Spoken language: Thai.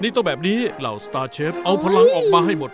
ตอนนี้เราสตาร์เชฟเอาพลังออกมาให้หมด